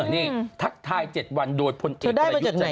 นี่ทักทาย๗วันโดยผลเอกไปยุทธ๗ประชา